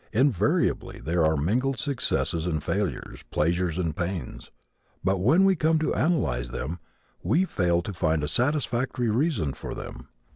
Invariably there are mingled successes and failures, pleasures and pains. But when we come to analyze them we fail to find a satisfactory reason for them.